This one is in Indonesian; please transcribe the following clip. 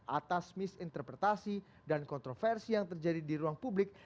atas misinterpretasi dan kontroversi yang terjadi di ruang publik